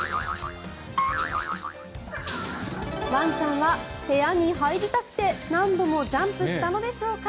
ワンちゃんは部屋に入りたくて何度もジャンプしたのでしょうか？